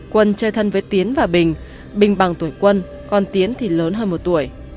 quân chơi thân với tiến và bình bình bằng tuổi quân còn tiến thì lớn hơn một tuổi